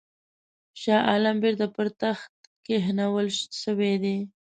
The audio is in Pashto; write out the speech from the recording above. شاه عالم بیرته پر تخت کښېنول سوی دی.